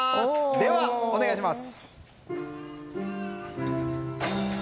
では、お願いします。